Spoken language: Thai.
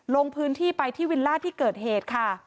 ลงพื้นที่ไปที่วิลล่าที่เกิดเหตุค่ะ